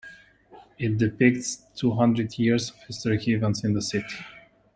It depicts two hundred years of historic events in the city.